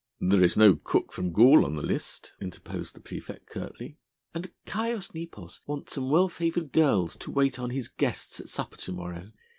"There is no cook from Gaul on the list," interposed the praefect curtly. "And Caius Nepos wants some well favoured girls to wait on his guests at supper to morrow.